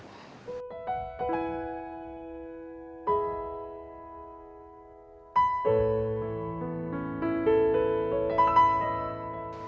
ผมเห็น